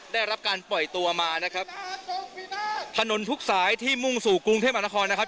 ได้รับการปล่อยตัวมานะครับถนนทุกสายที่มุ่งสู่กรุงเทพมหานครนะครับ